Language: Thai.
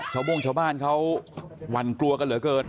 ชาวบ้างชาวบ้านเขาวันกลัวกันเหลือเกิน